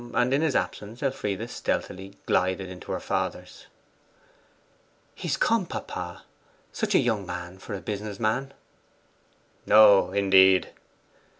In his absence Elfride stealthily glided into her father's. 'He's come, papa. Such a young man for a business man!' 'Oh, indeed!